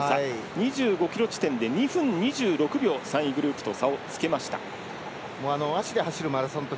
２５ｋｍ地点で２分２６秒３位グループと差をつけました。